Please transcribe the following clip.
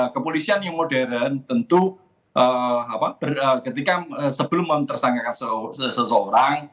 kepolisian yang modern tentu ketika sebelum memtersangkakan seseorang